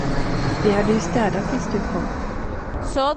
Vi hade ju städat tills du kom.